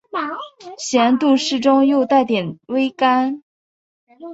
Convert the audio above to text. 咸度适中又带点微甘